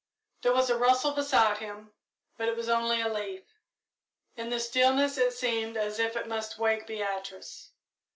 There was a rustle beside him, but it was only a leaf. In the stillness it seemed as if it must wake Beatrice.